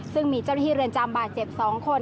ซึ่งมีเจ้าหน้าที่เรือนจำบาดเจ็บ๒คน